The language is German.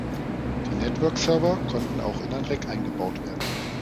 Die Network Server konnten auch in ein Rack eingebaut werden.